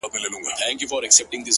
چي د ملا خبري پټي ساتي،